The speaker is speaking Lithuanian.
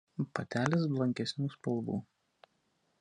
Patelės blankesnių spalvų.